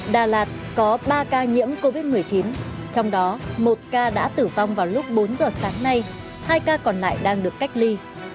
đà lạt có ba ca nhiễm covid một mươi chín trong đó một ca đã tử vong vào lúc bốn giờ sáng nay hai ca còn lại đang được cách ly